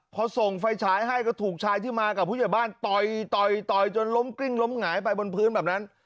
พอส่งไฟฉายให้ก็ถูกชายที่มากับผู้ใหญ่บ้านต่อยต่อยจนล้มกลิ้งล้มหงายไปบนพื้นแบบนั้น